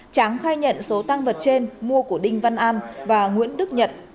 tráng khai nhận số tăng vật trên mua của đinh văn an và nguyễn đức nhật